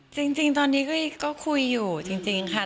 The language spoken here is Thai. จริงตอนนี้ก็คุยอยู่จริงค่ะ